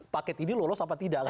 paket ini lolos apa tidak